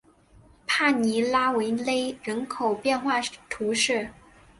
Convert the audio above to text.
帕尼拉维勒人口变化图示